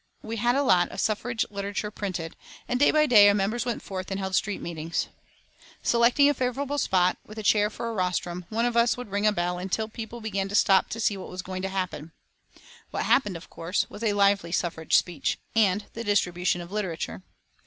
We had a lot of suffrage literature printed, and day by day our members went forth and held street meetings. Selecting a favourable spot, with a chair for a rostrum, one of us would ring a bell until people began to stop to see what was going to happen. What happened, of course, was a lively suffrage speech, and the distribution of literature.